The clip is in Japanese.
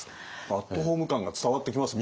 アットホーム感が伝わってきます